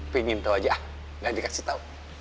pi ingin tau aja ah gak dikasih tau